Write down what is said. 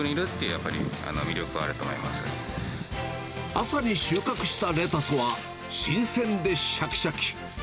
やっぱり魅力があ朝に収穫したレタスは、新鮮でしゃきしゃき。